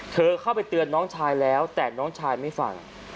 เธอเข้าไปเตือนน้องชายแล้วแต่น้องชายไม่ฟัง